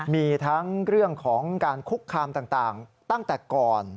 มีทั้งเรื่องของการคุกคามต่างตั้งแต่ก่อน